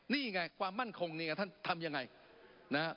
นี่ไงความมั่นคงนี่ไงท่านทำยังไงนะฮะ